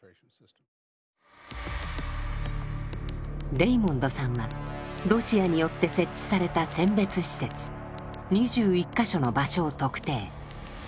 レイモンドさんはロシアによって設置された選別施設２１か所の場所を特定。